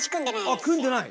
あっ組んでない！